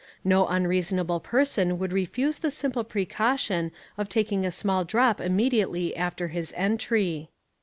No reasonable person would refuse the simple precaution of taking a small drop immediately after his entry.